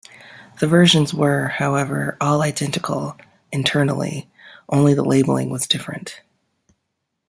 The versions were, however, all identical internally - only the labeling was different.